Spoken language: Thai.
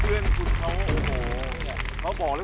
หนักเลยเหรอฮะ